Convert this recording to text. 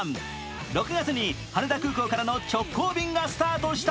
６月に羽田空港からの直行便がスタートした